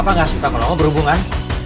apa gak suka kalau kamu berhubungan